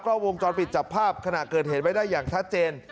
ก็วงจรปิดจับภาพขณะเกิดเหตุไว้ได้อย่างชัดเจน